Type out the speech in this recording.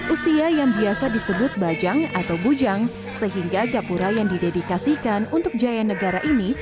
usia yang biasa disebut bajang atau bujang sehingga gapura yang didedikasikan untuk jaya negara ini